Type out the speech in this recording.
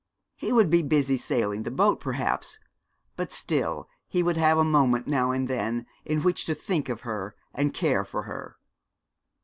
He would be busy sailing the boat, perhaps, but still he would have a moment now and then in which to think of her and care for her.